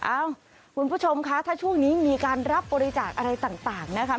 เอ้าคุณผู้ชมคะถ้าช่วงนี้มีการรับบริจาคอะไรต่างนะคะ